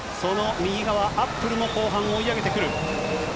右側、アップルも後半追い上げてくる。